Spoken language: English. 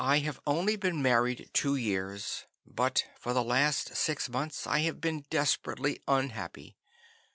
"I have only been married two years, but for the last six months I have been desperately unhappy.